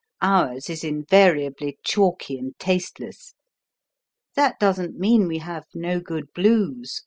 Ours is invariably chalky and tasteless. That doesn't mean we have no good Blues.